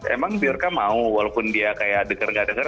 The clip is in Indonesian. emang biorka mau walaupun dia kayak deker gak deker